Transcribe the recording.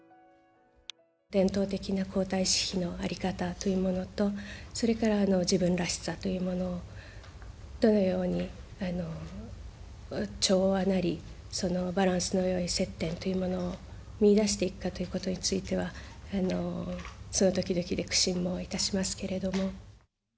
伝統的な皇太子妃の在り方というものと、それから自分らしさというものを、どのように調和なり、そのバランスのよい接点というものを見いだしていくかということについては、その時々で苦心もいたしますけれども。